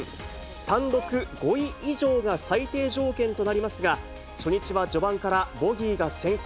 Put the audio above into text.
単独５位以上が最低条件となりますが、初日は序盤からボギーが先行。